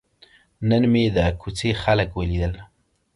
نن مې د کوڅې خلک ولیدل.